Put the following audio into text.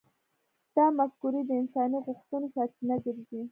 دا مفکورې د انساني غوښتنو سرچینه ګرځي.